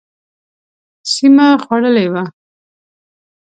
سیمه خوړلې وه.